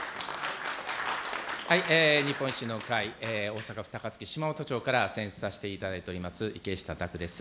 日本維新の会、大阪府高槻市から選出させていただいております、池下卓です。